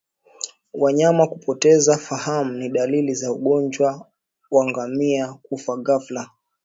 Wanyama kupoteza fahamu ni dalili za ugonjwa wa ngamia kufa ghafla